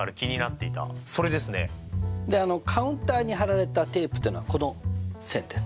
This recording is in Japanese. でカウンターに貼られたテープというのはこの線です。